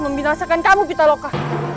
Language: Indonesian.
membinasakan kamu pitaloka